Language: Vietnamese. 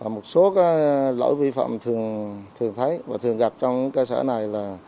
một số lỗi vi phạm thường thường thấy và thường gặp trong cơ sở này là